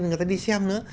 người ta đi xem nữa